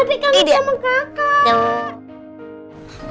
adek kangen sama kakak